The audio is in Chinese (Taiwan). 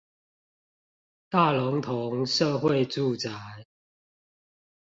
大龍峒社會住宅